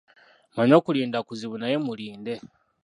Mmanyi okulinda kuzibu naye mulinde.